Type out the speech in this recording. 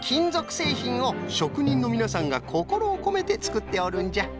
せいひんをしょくにんのみなさんがこころをこめてつくっておるんじゃ。